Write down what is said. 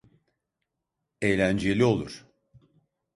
Eğlenceli olur.